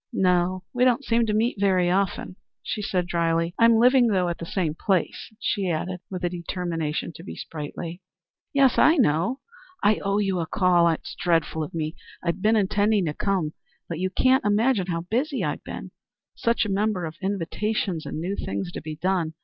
"No, we don't seem to meet very often," she said drily. "I'm living, though, at the same place," she added, with a determination to be sprightly. "Yes, I know; I owe you a call. It's dreadful of me. I've been intending to come, but you can't imagine how busy I've been. Such a number of invitations, and new things to be done.